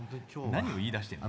何を言いだしてんの？